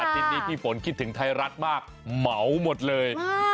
ทิตย์นี้พี่ฝนคิดถึงไทยรัฐมากเหมาหมดเลย